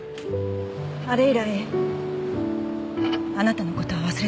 あれ以来あなたの事は忘れた事がなかった。